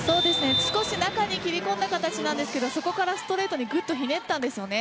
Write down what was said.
少し中に切り込んだ形なんですけどそこからストレートにひねったんですよね。